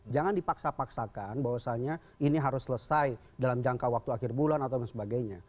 jangan dipaksa paksakan bahwasannya ini harus selesai dalam jangka waktu akhir bulan atau dan sebagainya